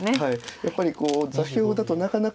やっぱり座標だとなかなか。